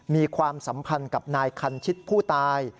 มีความสัมพันธ์กับนายคันชิตผู้ตาย